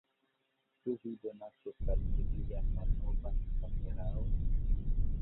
Ĉu vi donacos al mi vian malnovan kameraon?